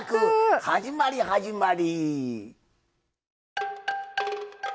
始まり始まり。